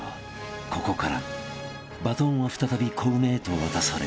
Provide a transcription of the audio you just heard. ［ここからバトンは再びコウメへと渡される］